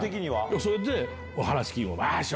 それで。